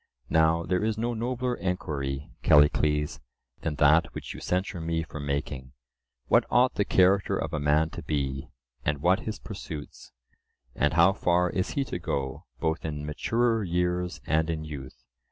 Now there is no nobler enquiry, Callicles, than that which you censure me for making,—What ought the character of a man to be, and what his pursuits, and how far is he to go, both in maturer years and in youth?